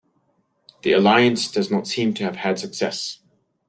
The alliance does not seem to have had success.